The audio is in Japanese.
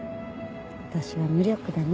私は無力だな。